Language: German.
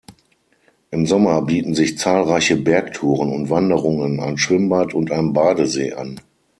Im Sommer bieten sich zahlreiche Bergtouren und Wanderungen, ein Schwimmbad und ein Badesee an.